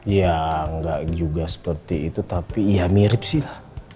ya nggak juga seperti itu tapi ya mirip sih lah